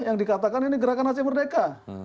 yang dikatakan ini gerakan aceh merdeka